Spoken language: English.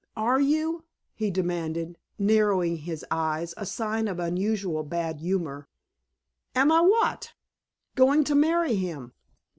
"Are you?" he demanded, narrowing his eyes a sign of unusually bad humor. "Am I what?" "Going to marry him?"